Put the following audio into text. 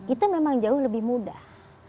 itu memang jauh lebih mudah